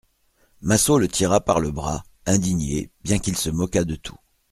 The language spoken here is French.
Massot le tira par le bras, indigné, bien qu'il se moquât de tout.